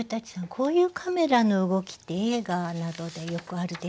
こういうカメラの動きって映画などでよくあるでしょうか？